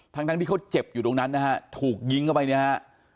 ทั้งทั้งที่เขาเจ็บอยู่ตรงนั้นนะฮะถูกยิงเข้าไปเนี่ยฮะ